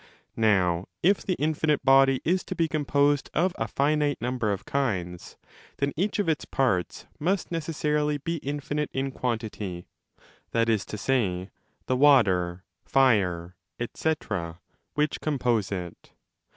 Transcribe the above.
Now if! the infinite body is to be composed of a finite number of kinds, then each of its parts must necessarily be infinite in quantity, that is to say, the water, fire, &c., which compose it.